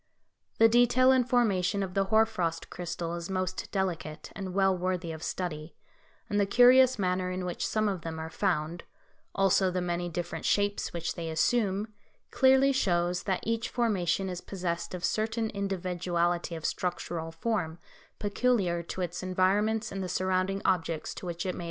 The detail and formation of the hoar frost crystal is most delicate, and well worthy of study, and the curious manner in which some of them are found, also the many different shapes which they assume, clearly shows that each formation is possessed of certain individuality of structural form peculiar to its environments, and the surrounding objects to which it may attach itself.